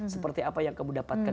seperti apa yang kamu dapatkan